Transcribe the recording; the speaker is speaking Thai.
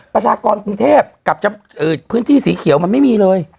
ประชากรกรุงเทพกับพื้นที่สีเขียวมันไม่มีเลย